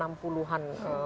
ini betul betul berharga